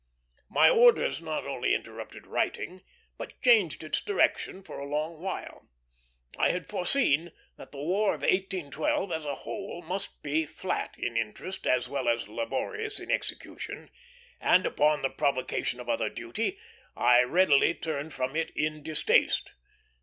My orders not only interrupted writing, but changed its direction for a long while. I had foreseen that the War of 1812, as a whole, must be flat in interest as well as laborious in execution; and, upon the provocation of other duty, I readily turned from it in distaste.